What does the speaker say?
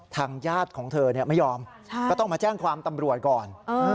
ทางญาติของเธอไม่ยอมก็ต้องมาแจ้งความตำรวจก่อน